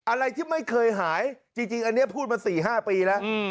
อะไรที่ไม่เคยหายจริงอันนี้พูดมา๔๕ปีแล้ว